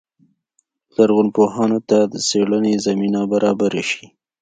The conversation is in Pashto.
لرغونپوهانو ته څېړنې زمینه برابره شي.